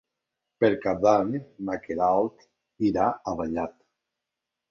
Per Cap d'Any na Queralt irà a Vallat.